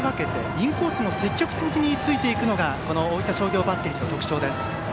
インコースも積極的に突いていくのが大分商業バッテリーの特徴です。